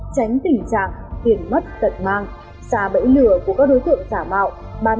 tránh tình trạng hiển mất tận mang xà bẫy lừa của các đối tượng trả mạo bán thuốc chữa bệnh